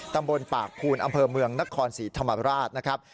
ตำบลปากภูนอำเภอเมืองนครศรีธรรมราชนะครับ